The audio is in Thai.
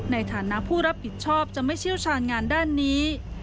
ในฐานะผู้รับผิดชอบจะไม่เชี่ยวชาญงานด้านนี้